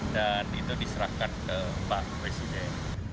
dan itu diserahkan ke pak presiden